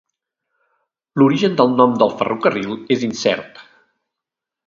L'origen del nom del ferrocarril és incert.